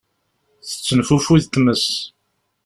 Tettenfufud tmes.